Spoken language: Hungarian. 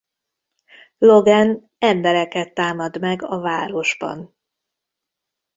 Logan embereket támad meg a városban.